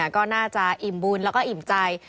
ก็น่าจะอิ่มบุญแล้วก็อิ่มใจ